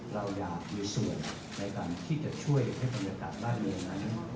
เราอยากมีส่วนในการที่จะช่วยให้บรรยากาศบ้านเมืองนั้น